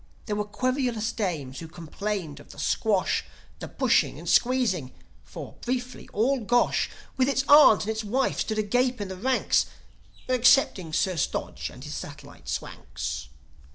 There were querulous dames who complained of the "squash," The pushing and squeezing; for, briefly, all Gosh, With its aunt and its wife, stood agape in the ranks Excepting Sir Stodge and his satellite Swanks.